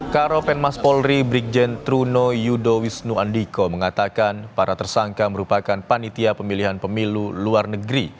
karopen mas polri brigjen truno yudo wisnu andiko mengatakan para tersangka merupakan panitia pemilihan pemilu luar negeri